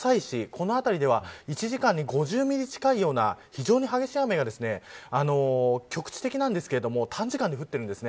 この辺りでは１時間に５０ミリ近いような非常に激しい雨が局地的なんですけれど短時間で降っているんです。